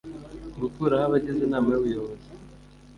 gukuraho abagize Inama y Ubuyobozi